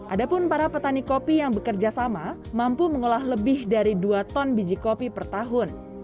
ada pun para petani kopi yang bekerja sama mampu mengolah lebih dari dua ton biji kopi per tahun